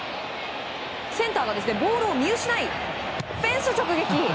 センターがボールを見失いフェンス直撃！